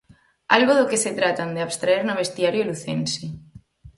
Algo do que se tratan de abstraer no vestiario lucense.